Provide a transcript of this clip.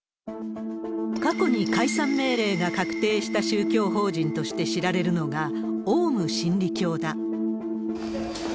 過去に解散命令が確定した宗教法人として知られるのが、オウム真理教だ。